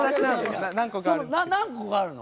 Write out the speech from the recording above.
何個かあるの？